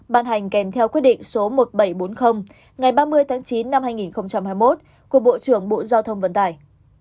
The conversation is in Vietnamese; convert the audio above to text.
ban hành kèm theo quyết định số một nghìn bảy trăm bốn mươi ngày ba mươi tháng chín năm hai nghìn hai mươi một của bộ trưởng bộ giao thông vận tải